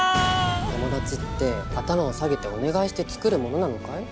友達って頭を下げてお願いして作るものなのかい？